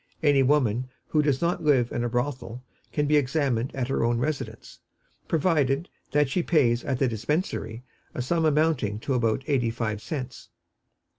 Any woman who does not live in a brothel can be examined at her own residence, provided that she pays at the Dispensary a sum amounting to about eighty five cents.